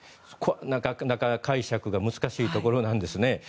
なかなか解釈が難しいところなんですね。